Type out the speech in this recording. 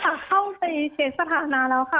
เข้าไปเช็คสถานะแล้วค่ะ